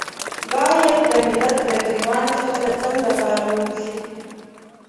بايد د ملت له ګرېوان څخه د تل لپاره ووځي.